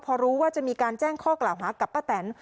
พอรู้ว่าจะมีการแจ้งข้อกล่าวหากับป้าแตน